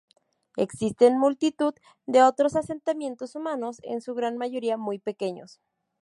Existen multitud de otros asentamientos humanos, en su gran mayoría muy pequeños.